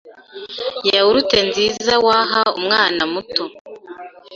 yawurute nziza waha umwana muto